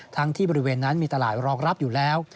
ที่บริเวณนั้นมีตลาดรองรับอยู่แล้ว